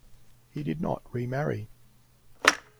He did not remarry.